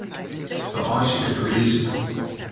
De aaisiker fergrizet.